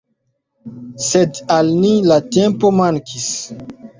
Sed al ni, la tempo mankis.